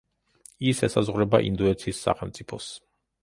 ის ესაზღვრება ინდოეთის სახელმწიფოს.